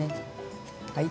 はい。